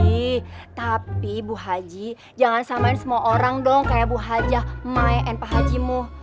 ih tapi bu haji jangan samain semua orang dong kayak bu haja mae dan pak haji muh